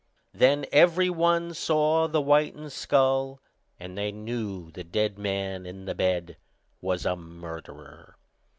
Then every one saw the whitened skull, and they knew the dead man in the bed was a murderer.